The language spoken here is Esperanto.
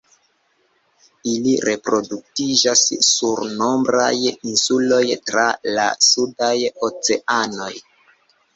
Ili reproduktiĝas sur nombraj insuloj tra la sudaj oceanoj.